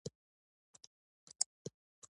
زده کوونکي دې متن په وار سره ولولي.